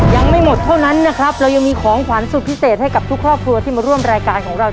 ยังไม่หมดเท่านั้นนะครับเรายังมีของขวัญสุดพิเศษให้กับทุกครอบครัวที่มาร่วมรายการของเรา